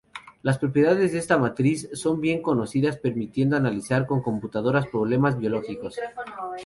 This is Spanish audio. Las propiedades de esta matriz son bien conocidas permitiendo analizar con computadoras problemas biológicos.